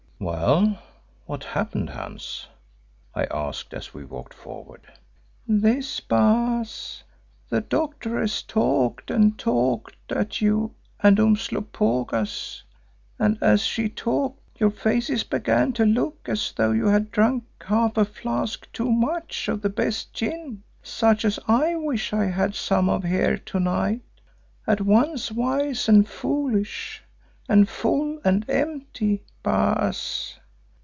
"Well, what happened, Hans?" I asked as we walked forward. "This, Baas. The Doctoress talked and talked at you and Umslopogaas, and as she talked, your faces began to look as though you had drunk half a flask too much of the best gin, such as I wish I had some of here to night, at once wise and foolish, and full and empty, Baas.